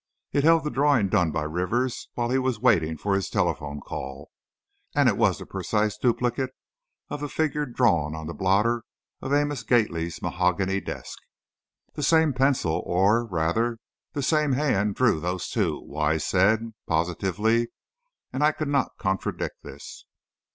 It held the drawing done by Rivers while he was waiting for his telephone call and it was the precise duplicate of the figure drawn on the blotter of Amos Gately's mahogany desk. "The same pencil or, rather, the same hand drew those two," Wise said, positively, and I could not contradict this.